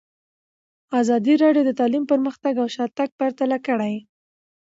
ازادي راډیو د تعلیم پرمختګ او شاتګ پرتله کړی.